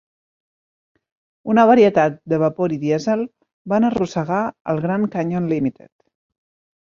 Una varietat de vapor i dièsel van arrossegar el "Grand Canyon Limited".